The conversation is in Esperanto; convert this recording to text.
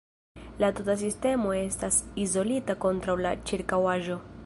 La tuta sistemo estas izolita kontraŭ la ĉirkaŭaĵo.